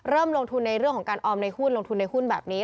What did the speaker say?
เริ่มลงทุนในเรื่องของการออมคุณลงทุนในหุ้นแบบนี้